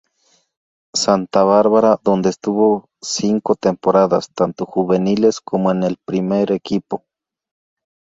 Santa Bárbara, donde estuvo cinco temporadas, tanto en juveniles como en el primer equipo.